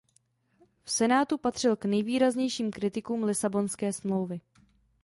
V senátu patřil k nejvýraznějším kritikům Lisabonské smlouvy.